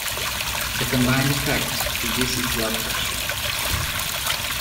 The combined effect reduces blood pressure.